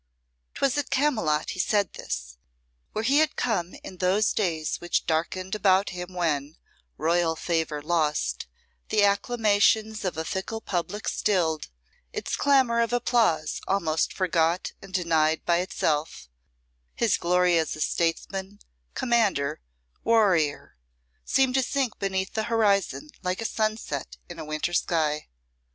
'Twas at Camylott he said this, where he had come in those days which darkened about him when, royal favour lost, the acclamations of a fickle public stilled, its clamour of applause almost forgot and denied by itself, his glory as statesman, commander, warrior seemed to sink beneath the horizon like a sunset in a winter sky.